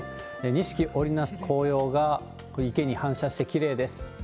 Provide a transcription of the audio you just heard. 錦織り成す紅葉が、これ、池に反射してきれいです。